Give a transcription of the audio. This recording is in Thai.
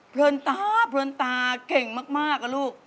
เลินตาเพลินตาเก่งมากอะลูก